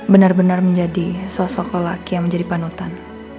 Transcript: benar benar menjadi sosok lelaki yang menjadi panutan